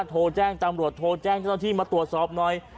โทรแจ้งจำรวจโทรแจ้งที่มาตรวจสอบหน่อย